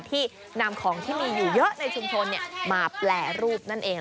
ที่นำของที่มีอยู่เยอะในชุมชนมาแปรรูปนั่นเอง